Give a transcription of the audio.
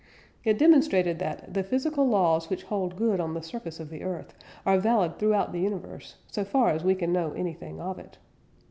It demonstrated that "the physical laws which hold good on the surface of the earth are valid throughout the universe, so far as we can know anything of it."